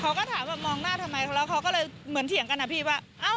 เขาก็ถามว่ามองหน้าทำไมเขาแล้วเขาก็เลยเหมือนเถียงกันนะพี่ว่า